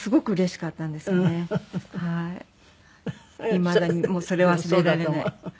いまだにもうそれは忘れられない。